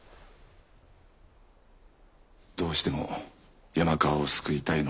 どうしても山川を救いたいのであれば。